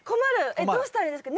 えっどうしたらいいですか？